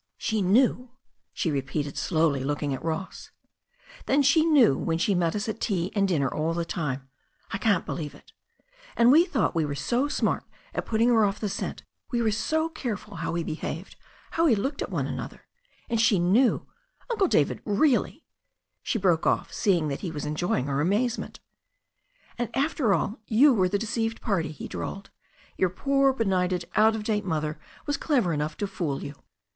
"She knew I" she repeated slowly, looking at Ross. "Then she knew when she met us at tea and dinner all the time. I can't believe it. And we thought we wet^ s»c^ ^xssaxx. jX it 388 THE STORY OF A NEW ZEALAND RIVER putting her off the scent, we were so careful how we be haved, how we looked at each other. And she knew! Uncle David, really *' She broke off, seeing that he was enjoying her amazement. And after all, you were the deceived party," he drawled. Your poor benighted, out of date mother was clever enough to fool you."